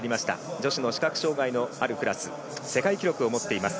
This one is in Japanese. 女子の視覚に障がいのあるクラス世界記録を持っています。